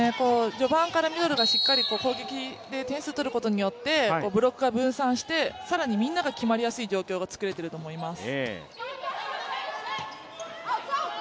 序盤からミドルがしっかり攻撃で点数を取ることによってブロックが分散して、更にみんなが決まりやすい状況が作れていると思います。